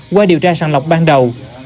qua điều tra sàng lọc ban đầu